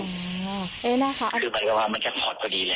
คือบรรยาความมันจะพอดีเลย